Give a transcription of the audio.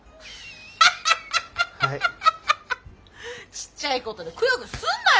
ちっちゃいことでクヨクヨすんなよ！